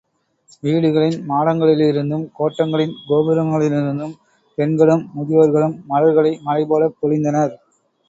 வீடுகளின் மாடங்களிலிருந்தும் கோட்டங்களின் கோபுரங்களிலிருந்தும், பெண்களும் முதியோர்களும் மலர்களை மழைபோலப் பொழிந்தனர்.